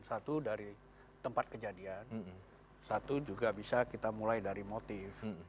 satu dari tempat kejadian satu juga bisa kita mulai dari motif